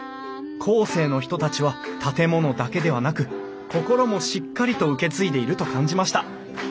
後世の人たちは建物だけではなく心もしっかりと受け継いでいると感じました。